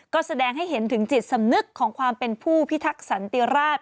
ก็แสดงให้เห็นถึงจิตสำนึกของความเป็นผู้พิทักษ์สันติราช